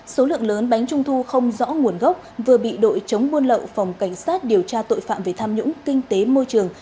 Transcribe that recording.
số lượng lớn bánh trung thu không rõ nguồn gốc vừa bị đội chống buôn lậu phòng cảnh sát điều tra tội phạm về tham nhũng kinh tế môi trường